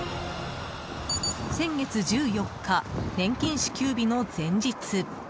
先月１４日、年金支給日の前日。